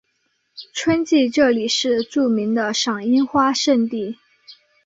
春季这里是著名的赏樱花胜地。